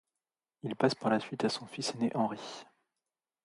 Il passe par la suite à son fils ainé Henri.